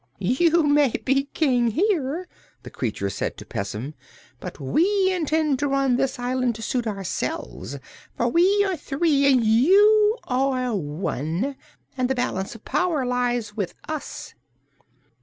"You may be King here," the creature said to Pessim, "but we intend to run this island to suit ourselves, for we are three and you are one, and the balance of power lies with us."